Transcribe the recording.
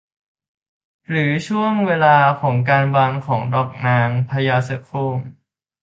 หรือช่วงเวลาการบานของดอกนางพญาเสือโคร่ง